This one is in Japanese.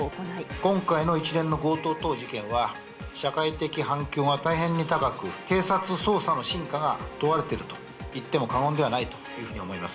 今回の一連の強盗等事件は、社会的反響が大変に高く、警察捜査の真価が問われているといっても過言ではないというふうに思います。